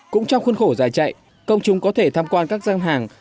cũng trong khuôn khổ giải chạy công chúng có thể tham quan các gian hàng